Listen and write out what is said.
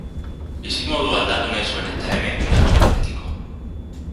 Bizimodua aldatu nahi zuen eta hemen geratu da betiko.